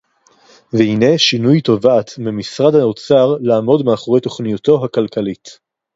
והנה שינוי תובעת ממשרד האוצר לעמוד מאחורי תוכניתו הכלכלית